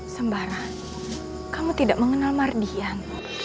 sembarang kamu tidak mengenal mardian